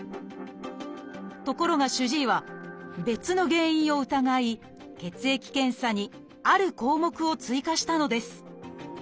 ところが主治医は別の原因を疑い血液検査にある項目を追加したのです。